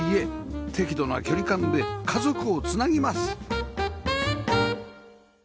適度な距離感で家族を繋ぎます